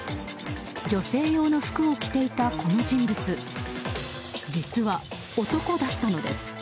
女性用の服を着ていたこの人物実は、男だったのです。